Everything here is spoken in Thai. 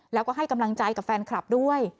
แล้วก็ให้กำลังใจกับแฟนคลับด้วย